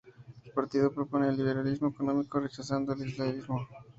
El partido propone un liberalismo económico, rechazando el islamismo.